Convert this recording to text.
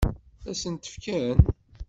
Ad s-ten-fken?